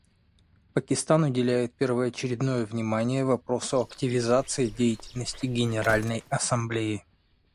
Пакистан уделяет первоочередное внимание вопросу активизации деятельности Генеральной Ассамблеи.